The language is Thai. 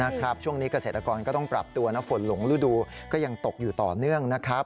ช่วงนี้เกษตรกรก็ต้องปรับตัวนะฝนหลงฤดูก็ยังตกอยู่ต่อเนื่องนะครับ